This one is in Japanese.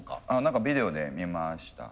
何かビデオで見ました。